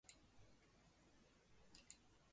耶路撒冷市旗是以以色列国旗为基础设计。